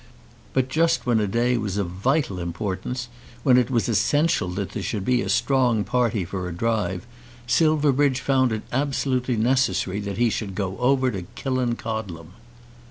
But just when a day was of vital importance, when it was essential that there should be a strong party for a drive, Silverbridge found it absolutely necessary that he should go over to Killancodlem.